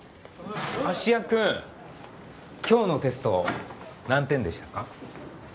芦屋君今日のテスト何点でしたか？